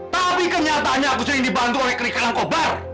tapi kenyataannya aku sering dibantu oleh keris kalang kobar